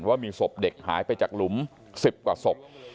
ว่ามีศพเด็กหายไปจากหลุม๑๐กว่าศพ